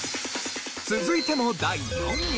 続いても第４位。